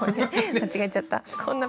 間違えちゃった。